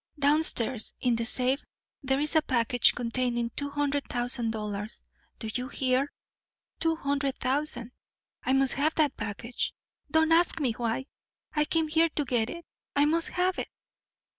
Down stairs in the safe there's a package containing two hundred thousand dollars. Do you hear two hundred thousand. I must have that package. Don't ask me why. I came here to get it I must have it.